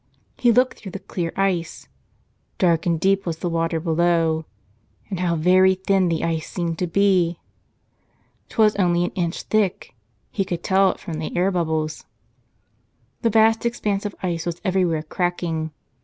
He looked through the clear ice. Dark and deep was the water below. And how very thin the ice seemed to be ! 'Twas only an inch thick — he could tell it from the air bubbles. The vast expanse of ice was everywhere cracking.